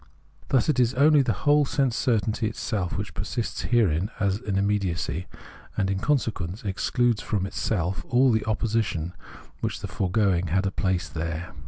Thus it is only the whole sense certainty itself which persists therein as immediacy, and in consequence excludes from itself all the opposi tion which in the foregoing had a place there.